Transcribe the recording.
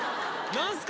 何すか？